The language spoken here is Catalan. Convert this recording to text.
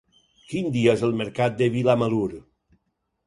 Quin dia és el mercat de Vilamalur?